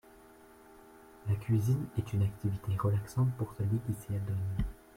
La cuisine est une activité relaxante pour celui qui s’y adonne.